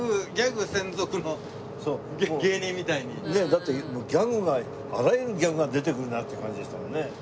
だってギャグがあらゆるギャグが出てくるなっていう感じでしたもんね。